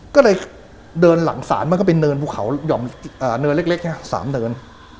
ก็เลยเดินหลังศาลมาเข้าไปเนินภูเขายอมเนินเล็กเนี่ย๓เดิน